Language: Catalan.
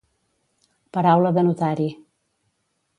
Paraula de notari.